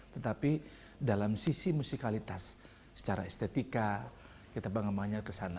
tetapi dalam sisi musikalitas secara estetika kita pengembangannya ke sana